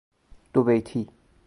دو بیتی